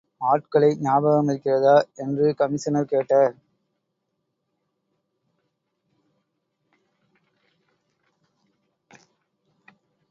ஆட்களை ஞாபகமிருக்கிறதா? என்று கமிஷனர் கேட்டார்.